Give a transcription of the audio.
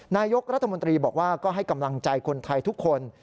นายกรัฐมนตรีบอกว่าก็ให้กำลังใจคนไทยทุกคน